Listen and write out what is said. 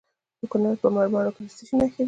د کونړ په مروره کې د څه شي نښې دي؟